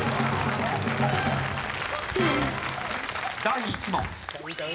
［第１問］